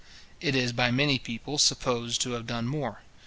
It is by many people supposed to have done more.